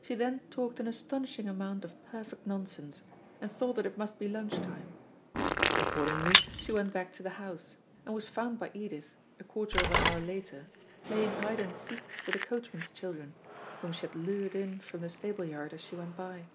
She then talked an astonishing amount of perfect nonsense, and thought that it must be lunch time. Accordingly, she went back to the house, and was found by Edith, a quarter of an hour later, playing hide and seek with the coachman's children, whom she had lured in from the stable yard as she went by.